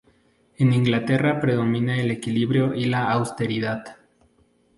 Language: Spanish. En Inglaterra predomina el equilibrio y la austeridad.